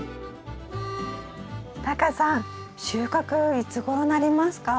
タカさん収穫いつごろになりますか？